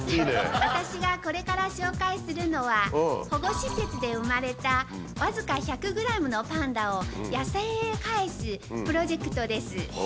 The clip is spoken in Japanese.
私がこれから紹介するのは、保護施設で生まれた僅か１００グラムのパンダを野生へかえすプロジェクトです。